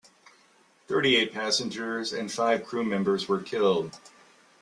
Thirty-eight passengers and five crew members were killed.